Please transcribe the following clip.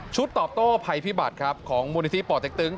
ตอบโต้ภัยพิบัตรครับของมูลนิธิป่อเต็กตึง